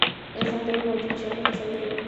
انسان د نه موجودو شیانو تصور کوي.